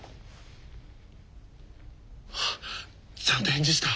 あちゃんと返事した。